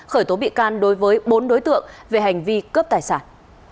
khởi tố bị can đối với bốn đối tượng về hành vi cướp tài sản